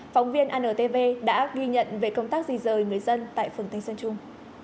phóng viên antv đã ghi nhận về công tác di rời người dân tại phường thanh xuân trung